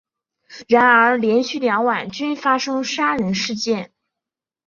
然而连续两晚均发生杀人事件。